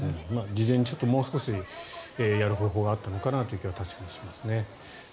事前にもう少しやる方法があったのかなという気は確かにしますね。